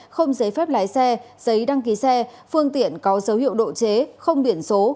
không giấy phép lái xe giấy đăng ký xe phương tiện có dấu hiệu độ chế không biển số